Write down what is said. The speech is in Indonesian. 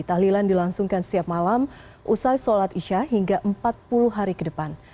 tahlilan dilangsungkan setiap malam usai sholat isya hingga empat puluh hari ke depan